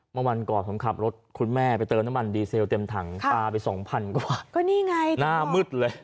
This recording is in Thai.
เมื่อวันก่อนผมขับรถคุณแม่ไปเติมน้ำมันดีเซลเต็มถังปลาไปสองพันกว่าก็นี่ไงหน้ามืดเลย